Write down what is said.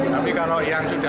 tapi kalau yang sudah